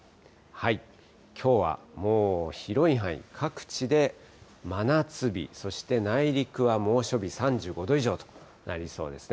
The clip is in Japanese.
きょうはもう広い範囲、各地で真夏日、そして内陸は猛暑日、３５度以上となりそうですね。